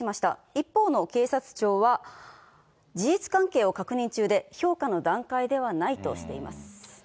一方の警察庁は、事実関係を確認中で、評価の段階ではないとしています。